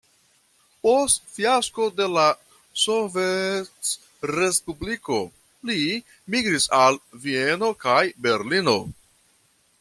Post fiasko de la sovetrespubliko li migris al Vieno kaj Berlino.